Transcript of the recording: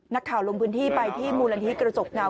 ลงพื้นที่ไปที่มูลนิธิกระจกเงา